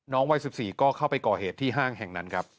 วัย๑๔ก็เข้าไปก่อเหตุที่ห้างแห่งนั้นครับ